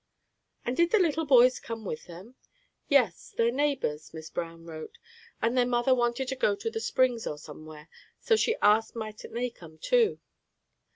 "And did the little boys come with them?" "Yes. They're neighbors, Miss' Brown wrote, and their mother wanted to go to the Springs, or somewhere, so she asked mightn't they come, too.